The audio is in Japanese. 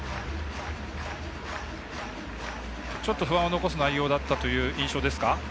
不安を残す内容だったという印象ですか。